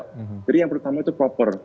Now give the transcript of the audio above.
jadi yang pertama itu proper